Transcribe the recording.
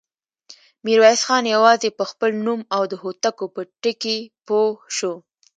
ميرويس خان يواځې په خپل نوم او د هوتکو په ټکي پوه شو.